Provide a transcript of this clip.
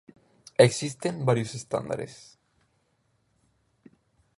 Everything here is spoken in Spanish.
Existen varios estándares.